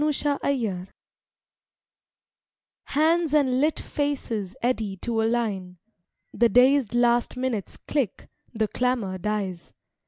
THE NIGHT JOURNEY Hands and lit faces eddy to a line; The dazed last minutes click; the clamour dies.